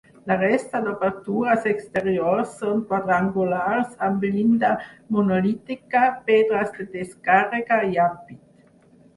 La resta d'obertures exteriors són quadrangulars amb llinda monolítica, pedres de descàrrega i ampit.